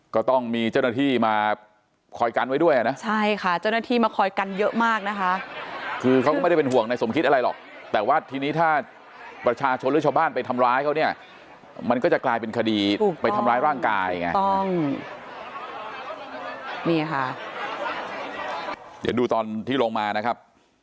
ก็ต้องมีเจ้าหน้าที่มาคอยกันไว้ด้วยอ่ะนะใช่ค่ะเจ้าหน้าที่มาคอยกันเยอะมากนะคะคือเขาก็ไม่ได้เป็นห่วงในสมคิดอะไรหรอกแต่ว่าทีนี้ถ้าประชาชนหรือชาวบ้านไปทำร้ายเขาเนี่ยมันก็จะกลายเป็นคดีไปทำร้ายร่างกายไงถูกต้องนี่ค่ะเดี๋ยวดูตอนที่ลงมานะครับ